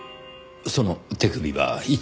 その手首はいつ？